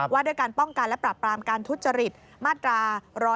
ว่าด้วยการป้องกันและปรับปรามการทุจริตมาตรา๑๕